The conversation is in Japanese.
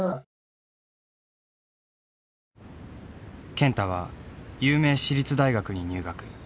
健太は有名私立大学に入学。